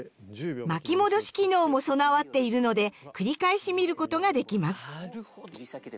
巻き戻し機能も備わっているので繰り返し見ることができます。